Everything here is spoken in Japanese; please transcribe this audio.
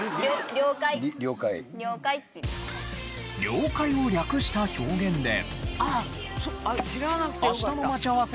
「了解」を略した表現で。